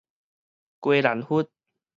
雞膦核